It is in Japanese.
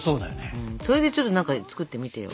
それでちょっと何か作ってみてよ。